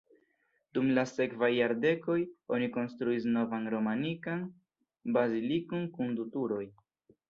Dum la sekvaj jardekoj oni konstruis novan romanikan bazilikon kun du turoj.